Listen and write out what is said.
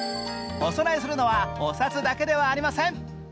お供えするのはお札だけではありません。